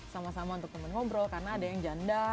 sama sama untuk teman ngobrol karena ada yang janda